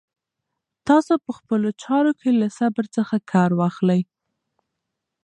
تاسو په خپلو چارو کې له صبر څخه کار واخلئ.